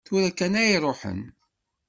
Tura kan ay ruḥen.